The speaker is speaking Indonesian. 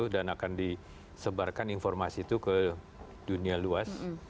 dan akan disebarkan informasi itu ke dunia luas